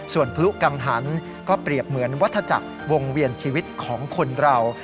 ส่วนพลุกังหันก็เปรียบเหมือนวัฒจักรวงเวียนชีวิตของคนเรา